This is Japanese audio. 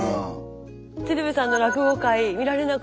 鶴瓶さんの落語会見られなくて。